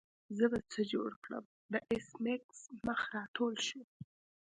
زه به څه جوړ کړم د ایس میکس مخ راټول شو